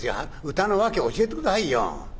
歌の訳を教えて下さいよ」。